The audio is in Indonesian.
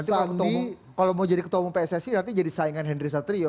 nanti waktu kalau mau jadi ketua umum pssi nanti jadi saingan henry satrio